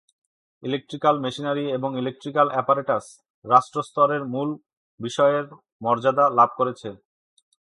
Electrical machinery এবং electrical apparatus রাষ্ট্র-স্তরের মূল বিষয়ের মর্যাদা লাভ করেছে।